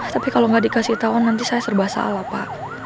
tapi kalau nggak dikasih tahu nanti saya serba salah pak